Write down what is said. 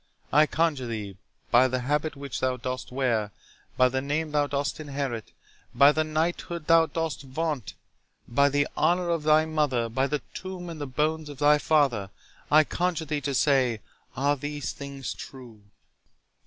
—I conjure thee, by the habit which thou dost wear, by the name thou dost inherit—by the knighthood thou dost vaunt—by the honour of thy mother—by the tomb and the bones of thy father—I conjure thee to say, are these things true?"